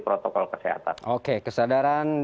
protokol kesehatan oke kesadaran